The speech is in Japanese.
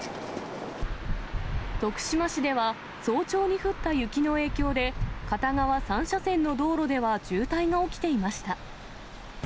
徳島市では、早朝に降った雪の影響で、片側３車線の道路では、渋滞が起きていました。